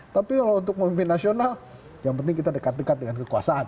tapi kalau untuk memimpin nasional yang penting kita dekat dekat dengan kekuasaan